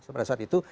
pada saat itu